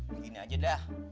begini aja dah